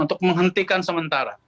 untuk menghentikan sementara